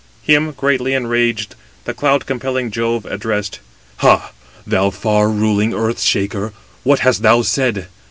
264 Him, greatly enraged, the cloud compelling Jove addressed: "Ha! thou far ruling earth shaker, what hast thou said?